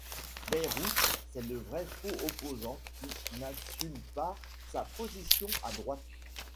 Bayrou, c'est le vrai faux opposant qui n'assume pas sa position à droite.